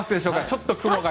ちょっと雲が。